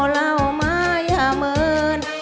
เล่าไม่เหมือน